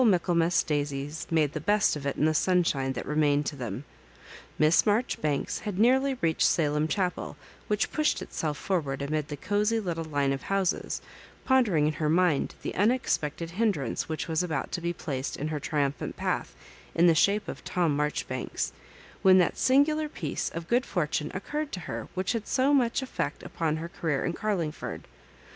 Michaelmas daisies made the best of it in the sunshine that pemained to them. Miss Marjoribanks had nearly reached Salem Chapel, which pushed itself forward amid the cosy little line of houses, pondering in her mind the unexpected hindrance which was about to be placed in her triumphant path, in the shape of Tom Maijoribanks, when that singular piece of good fortune occurred to her which had so much effect upon her career in Carlingford.